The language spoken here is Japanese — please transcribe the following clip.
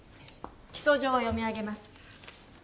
起訴状を読み上げます。